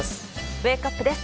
ウェークアップです。